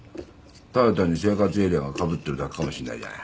ただ単に生活エリアがかぶってるだけかもしんないじゃない。